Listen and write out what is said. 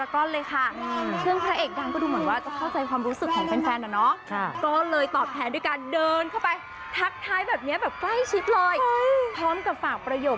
ขอบคุณครับสวัสดีครับคิดถึงมากครับ